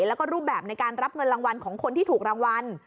แล้วก็รูปแบบในการรับเงินรางวัลของคนที่ถูกรางวัล